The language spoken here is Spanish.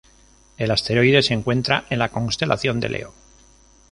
El asteroide se encuentra en la constelación de Leo.